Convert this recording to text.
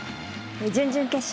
準々決勝